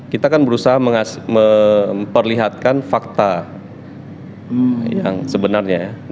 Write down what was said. kita kan berusaha memperlihatkan fakta yang sebenarnya ya